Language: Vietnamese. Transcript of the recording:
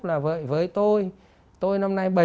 là với tôi tôi năm nay